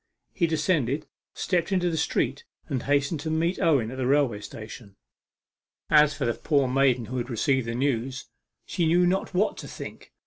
He descended, stepped into the street, and hastened to meet Owen at the railway station. As for the poor maiden who had received the news, she knew not what to think.